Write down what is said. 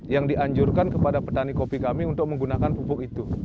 yang dianjurkan kepada petani kopi kami untuk menggunakan pupuk itu